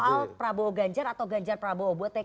soal prabowo ganjar atau ganjar prabowo buat pkb